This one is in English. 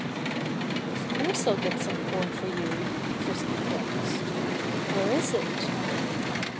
"Of course I'll get some corn for you," Frisky promised. "Where is it?"